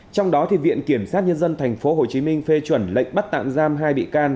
trong đó thì viện kiểm soát nhân dân thành phố hồ chí minh phê chuẩn lệnh bắt tạm giam hai bị can